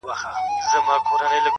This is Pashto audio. • سړی خوښ دی چي په لوړ قېمت خرڅېږي..